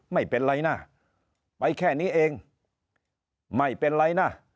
ไม่เป็นไรนะไปแค่นี้เองไม่เป็นไรนะ